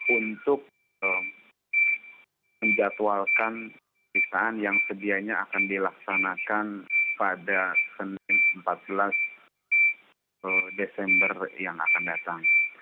untuk menjatuhalkan periksaan yang sedianya akan dilaksanakan pada senin empat belas desember yang akan datang